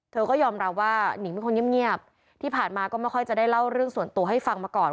ก็ยอมรับว่านิงเป็นคนเงียบที่ผ่านมาก็ไม่ค่อยจะได้เล่าเรื่องส่วนตัวให้ฟังมาก่อน